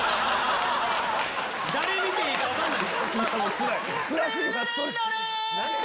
誰見ていいか分からない。